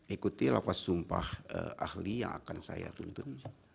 ikuti lapas sumpah ahli yang akan saya tuntut